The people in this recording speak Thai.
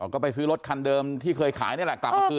ก็ไปซื้อรถคันเดิมที่เคยขายนี่แหละกลับมาคืน